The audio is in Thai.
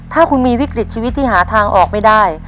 ถ้าคุณมีวิกฤตชีวิตที่หาทางออกไม่ได้